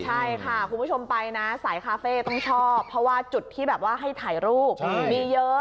ใช่ค่ะคุณผู้ชมไปนะสายคาเฟ่ต้องชอบเพราะว่าจุดที่แบบว่าให้ถ่ายรูปมีเยอะ